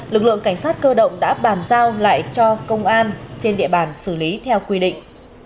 lực lượng cảnh sát cơ động đã bàn giao lại cho công an trên địa bàn xử lý theo quy định